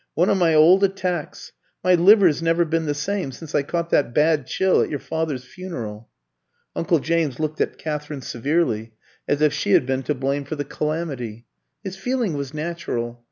One of my old attacks. My liver's never been the same since I caught that bad chill at your father's funeral." Uncle James looked at Katherine severely, as if she had been to blame for the calamity. His feeling was natural.